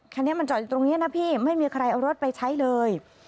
คันนี้มันจอดอยู่ตรงนี้นะพี่ไม่มีใครเอารถไปใช้เลย